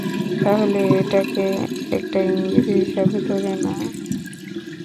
তাহলে, এটাকে একটা ইঙ্গিত হিসাবেই ধরে নাও।